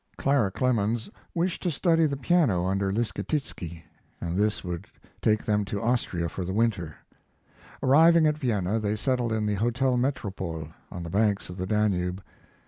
Clara Clemens wished to study the piano under Leschetizky, and this would take them to Austria for the winter. Arriving at Vienna, they settled in the Hotel Metropole, on the banks of the Danube.